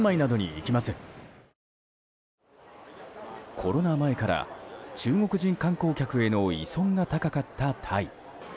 コロナ前から中国人観光客への依存が高かったタイ。